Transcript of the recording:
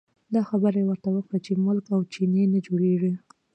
دا خبره یې ورته وکړه چې ملک او چینی نه جوړېږي.